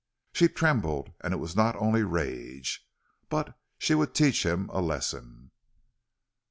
She trembled, and it was not only rage. But she would teach him a lesson.